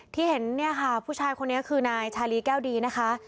ที่เห็นเนี่ยค่ะผู้ชายคนนี้คือนายชาลีแก้วดีนะคะ